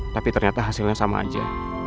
tapi ternyata hasilnya sama aja